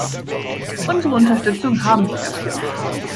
Unsere Unterstützung haben sie dafür.